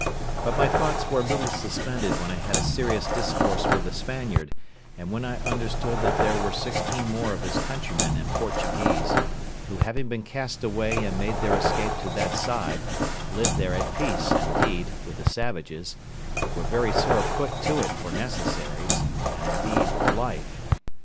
But my thoughts were a little suspended when I had a serious discourse with the Spaniard, and when I understood that there were sixteen more of his countrymen and Portuguese, who having been cast away and made their escape to that side, lived there at peace, indeed, with the savages, but were very sore put to it for necessaries, and, indeed, for life.